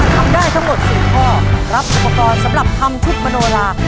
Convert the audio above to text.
ทำได้๓ข้อรับอุปกรณ์สำหรับทำชุดมโนรา๗ชุด